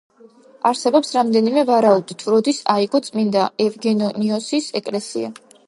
არსებობს რამდენიმე ვარაუდი, თუ როდის აიგო წმინდა ევგენიოსის ეკლესია.